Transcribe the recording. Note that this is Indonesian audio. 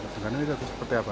pengenangan ini seperti apa